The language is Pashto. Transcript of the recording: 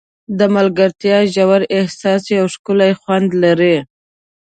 د ملګرتیا ژور احساس یو ښکلی خوند لري.